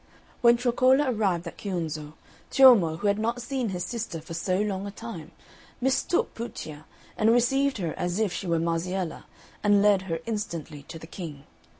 When Troccola arrived at Chiunzo, Ciommo, who had not seen his sister for so long a time, mistook Puccia, and received her as if she were Marziella, and led her instantly to the King.